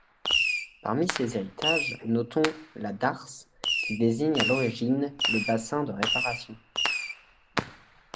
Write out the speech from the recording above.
Parmi ses héritages, notons la darse qui désigne à l'origine le bassin de réparation.